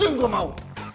itu yang gue mau